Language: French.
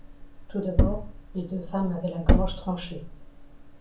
Tout d'abord, les deux femmes avaient la gorge tranchée.